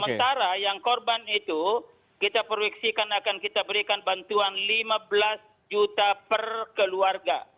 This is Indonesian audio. sementara yang korban itu kita proyeksikan akan kita berikan bantuan lima belas juta per keluarga